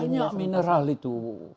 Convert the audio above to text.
banyak mineral itu